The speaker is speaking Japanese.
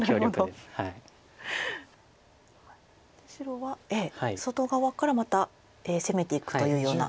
白は外側からまた攻めていくというような。